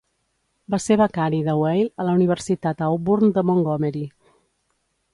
Va ser becari de Weil a la Universitat Auburn de Montgomery.